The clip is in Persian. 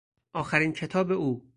آخرین کتاب او